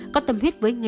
có tâm huyết với nghề